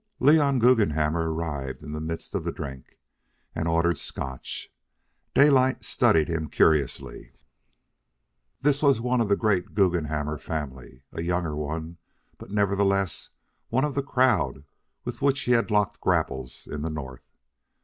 Leon Guggenhammer arrived in the midst of the drink, and ordered Scotch. Daylight studied him curiously. This was one of the great Guggenhammer family; a younger one, but nevertheless one of the crowd with which he had locked grapples in the North.